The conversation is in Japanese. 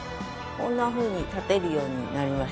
こんなふうに立てるようになりました。